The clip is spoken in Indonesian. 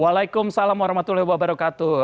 waalaikumsalam warahmatullahi wabarakatuh